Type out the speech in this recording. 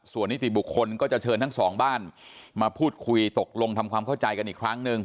ส่วนนิติบุคคลก็จะเชิญทั้งสองบ้านมาพูดคุยตกลงทำความเข้าใจกันอีกครั้งหนึ่ง